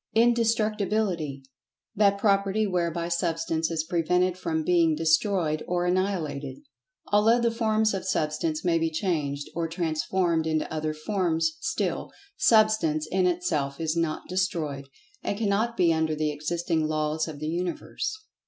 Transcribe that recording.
Indestructibility: That property whereby Substance is prevented from being destroyed or annihilated. Although the forms of Substance may be changed, or transformed into other forms, still, Substance in itself is not destroyed, and cannot be under the existing Laws of the Universe.